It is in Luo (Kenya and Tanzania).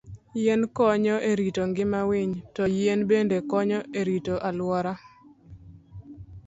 Yien konyo e rito ngima winy, to yien bende konyo e rito alwora.